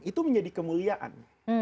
itu menjadi kemuliaan